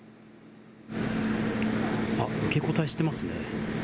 あっ、受け答えしてますね。